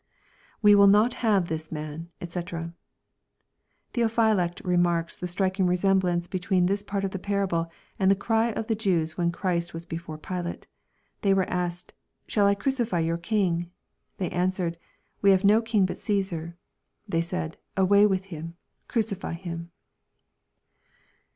[We win not have this man, d:c.] Theophylact remarks the striking resemblance between this part of the parable and the cry of the Jews when Christ was before Pilate. They were asked, " Shall I crucify your king ?'* They answered, '* We have no king but Caesar." They said, " Away with Him 1" " Crucify him."